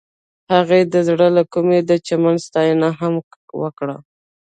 هغې د زړه له کومې د چمن ستاینه هم وکړه.